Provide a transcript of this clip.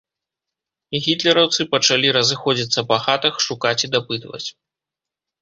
Гітлераўцы пачалі разыходзіцца па хатах, шукаць і дапытваць.